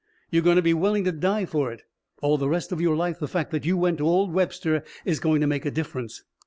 You're going to be willing to die for it. All the rest of your life the fact that you went to old Webster is going to make a difference.